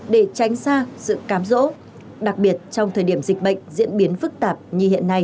để tránh xa sự cám rỗ đặc biệt trong thời điểm dịch bệnh diễn biến phức tạp như hiện nay